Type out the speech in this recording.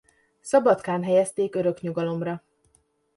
Szabadkán helyezték örök nyugalomra.